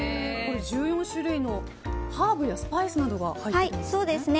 １４種類のハーブやスパイスなどが入っているんですね。